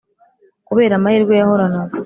kubera amahirwe yahoranaga